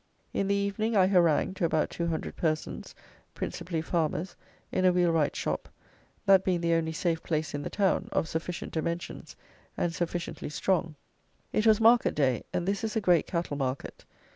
In the evening I harangued to about 200 persons, principally farmers, in a wheelwright's shop, that being the only safe place in the town, of sufficient dimensions and sufficiently strong. It was market day; and this is a great cattle market.